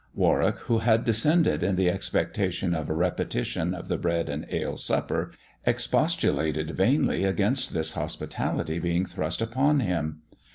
Warwick, who had descended in the expectation of a repetition of the bread and ale supper, expostulated vainly against this hospitality being thrust upon him.